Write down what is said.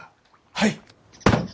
はい！